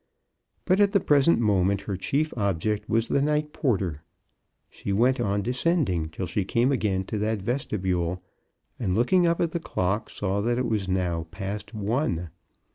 But at the present moment her chief object was the night porter. She went on descending till she came again to that vestibule, and looking up at the clock saw that it was now past one.